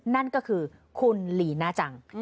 นั่นก็คือคุณลีน่าจัง